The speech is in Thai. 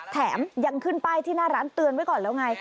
แถมยังขึ้นป้ายที่หน้าร้านเตือนไว้ก่อนแล้วไง